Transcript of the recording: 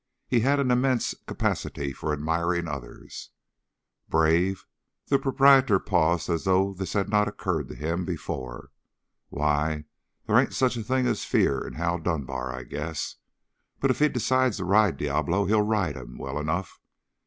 He had an immense capacity for admiring others. "Brave?" The proprietor paused as though this had not occurred to him before. "Why, they ain't such a thing as fear in Hal Dunbar, I guess. But if he decides to ride Diablo, he'll ride him, well enough.